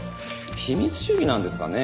秘密主義なんですかね？